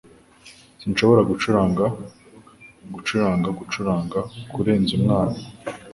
Sinshobora gucuranga gucuranga gucuranga kurenza umwana.